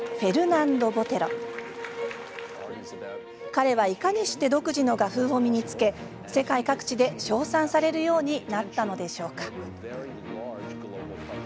彼はいかにして独自の画風を身につけ世界各地で称賛されるようになったのでしょうか。